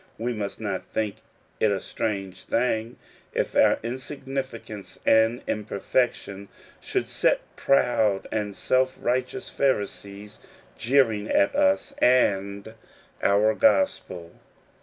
We must not think it a strange thing if our insignificance and imperfection should set proud and self righteous Pharisees jeering at us and our Gospel.